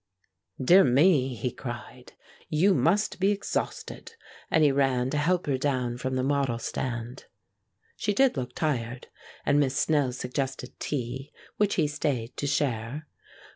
"Dear me," he cried, "you must be exhausted!" and he ran to help her down from the model stand. She did look tired, and Miss Snell suggested tea, which he stayed to share.